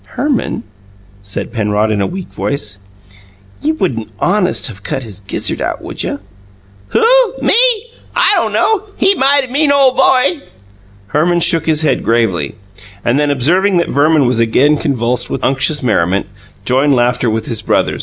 "Herman," said Penrod, in a weak voice, "you wouldn't HONEST of cut his gizzard out, would you?" "Who? Me? I don' know. He mighty mean ole boy!" Herman shook his head gravely, and then, observing that Verman was again convulsed with unctuous merriment, joined laughter with his brother.